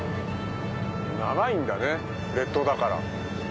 長いんだね列島だから。